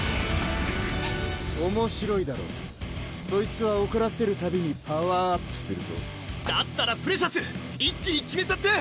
おもしろいだろそいつはおこらせるたびにパワーアップするぞだったらプレシャス一気に決めちゃって！